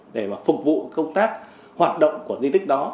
để mà phục vụ công tác hoạt động của di tích đó